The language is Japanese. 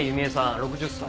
６０歳。